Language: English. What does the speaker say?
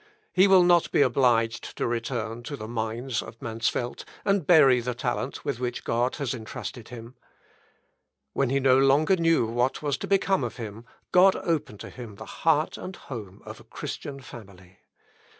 He will not be obliged to return to the mines of Mansfeld, and bury the talent with which God has entrusted him. When he no longer knew what was to become of him God opened to him the heart and the home of a Christian family.